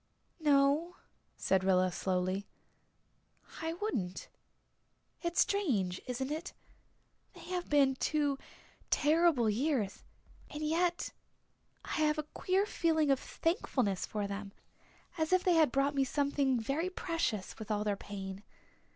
"No," said Rilla slowly. "I wouldn't. It's strange isn't it? They have been two terrible years and yet I have a queer feeling of thankfulness for them as if they had brought me something very precious, with all their pain.